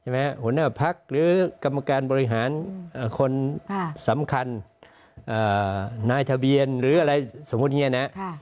หัวหน้าพักหรือกรรมการบริหารคนสำคัญนายทะเบียนหรืออะไรสมมุติอย่างนี้นะ